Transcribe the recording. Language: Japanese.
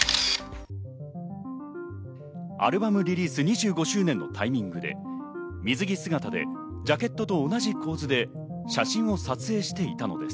アルバムリリース２５周年のタイミングで、水着姿でジャケットと同じ構図で写真を撮影していたのです。